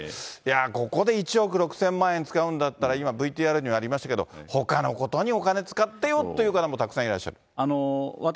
明大さんね、世の中、物価高だとか、いろいろいわれている中で、いや、ここで１億６０００万円使うんだったら、今、ＶＴＲにもありましたけど、ほかのことにお金使ってよという方もたくさんいらっしゃる。